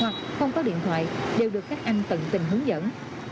hoặc không có điện thoại đều được các anh tận tình hướng dẫn